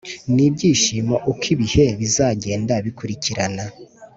n ibyishimo uko ibihe bizagenda bikurikirana